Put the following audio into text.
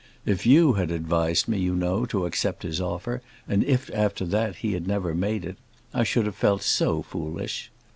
If you had advised me, you know, to accept his offer, and if, after that, he had never made it, I should have felt so foolish.